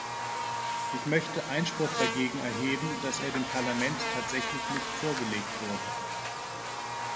Ich möchte Einspruch dagegen erheben, dass er dem Parlament tatsächlich nicht vorgelegt wurde.